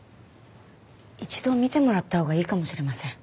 一度診てもらったほうがいいかもしれません。